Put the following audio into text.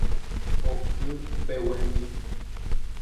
Oky mbeguemi